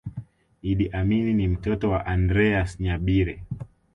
Idi Amin ni mtoto wa Andreas Nyabire